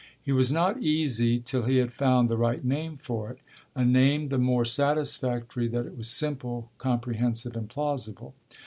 He was not easy till he had found the right name for it a name the more satisfactory that it was simple, comprehensive, and plausible.